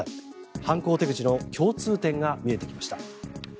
犯行手口の共通点が見えてきました。